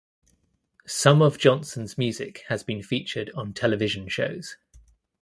Some of Johnson's music has been featured on television shows.